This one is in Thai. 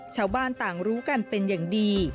ชาวบ้านต่างรู้กันเป็นอย่างดี